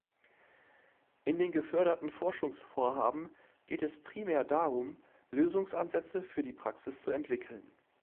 In den geförderten Forschungsvorhaben geht es primär darum, Lösungsansätze für die Praxis zu entwickeln.